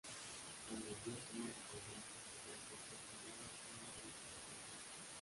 Añadió tomas de corriente para proporcionar la opción de amplificación.